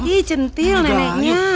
ih centil neneknya